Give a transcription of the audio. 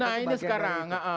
nah ini sekarang